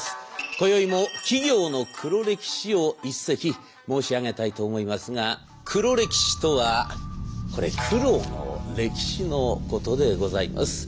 こよいも企業の黒歴史を一席申し上げたいと思いますが黒歴史とは「苦労の歴史」のことでございます。